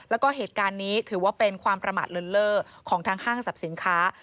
แล้วก็เหตุการณ์นี้ถือว่าเป็นความประมาทเลินเล่อของทางห้างสรรพสินค้า